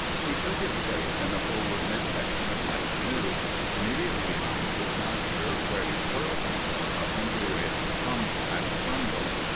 "He took his place in the forward mid section of my canoe, immediately behind his master, where he coiled himself up into a compact bundle.